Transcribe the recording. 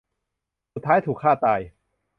สุดท้ายถูกฆ่าตาย